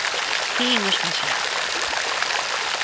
¡Que imos facer!